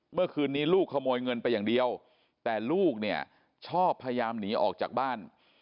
เมื่อคืนนี้ลูกขโมยเงินไปอย่างเดียวแต่ลูกเนี่ยชอบพยายามหนีออกจากบ้าน